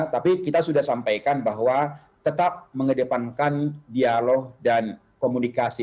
tapi kita sudah sampaikan bahwa tetap mengedepankan dialog dan komunikasi